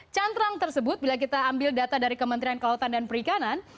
cantrang tersebut bila kita ambil data dari kementerian kelautan dan perikanan